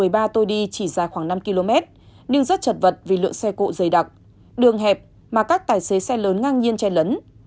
đoạn quốc lộ một mươi ba tôi đi chỉ dài khoảng năm km nhưng rất chật vật vì lượng xe cộ dày đặc đường hẹp mà các tài xế xe lớn ngang nhiên che lấn